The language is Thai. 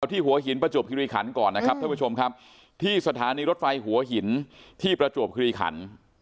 ที่หัวหินประจวบคิริขันก่อนนะครับท่านผู้ชมครับที่สถานีรถไฟหัวหินที่ประจวบคิริขัน